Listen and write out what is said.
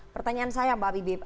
pertanyaan saya mbak bibip